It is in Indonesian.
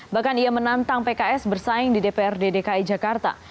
bahkan ia menantang pks bersaing di dprd dki jakarta